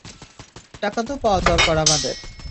টাকা তো পাওয়া দরকার আমাদের।